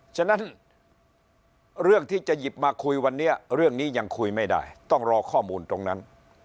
ฉะนั้นเรื่องที่จะหยิบมาคุยวันนี้เรื่องนี้ยังคุยไม่ได้ต้องรอข้อมูลตรงนั้น